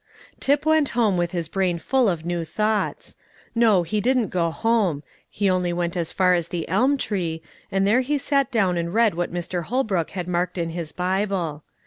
Tip went home with his brain full of new thoughts. No, he didn't go home; he only went as far as the elm tree, and there he sat down and read what Mr. Holbrook had marked in his Bible.